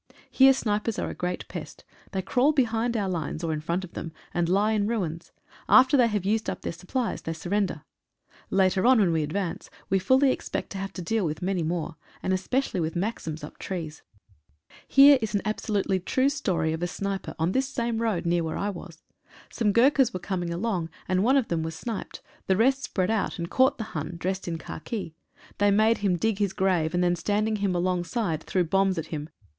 Here snipers are a great pest. They crawl behind our lines, or in front of them, and lie in ruins. After they have used up their supplies they surrender. Later on, when we advance, we fully expect to have to deal with many more, and especially with maxims up trees. Here is an absolutely true story of a S3 A SNIPER'S FATE. sniper on this same road near where I was. Some Gurk has were coming along, and one of them was sniped. The rest spread out, and caught the Hun, dressed in khaki. They made him dig his grave, and then standing him alongside threw bombs at him.